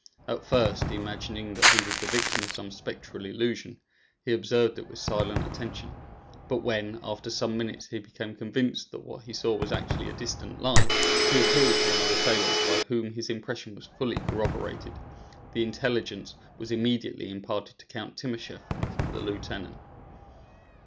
At first, imagining that he was the victim of some spectral illusion, he observed it with silent attention; but when, after some minutes, he became convinced that what he saw was actually a distant light, he appealed to one of the sailors, by whom his impression was fully corroborated. The intelligence was immediately imparted to Count Timascheff and the lieutenant.